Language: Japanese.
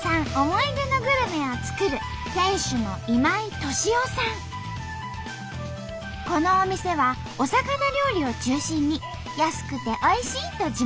思い出のグルメを作るこのお店はお魚料理を中心に安くておいしいと地元の人に人気なんだって！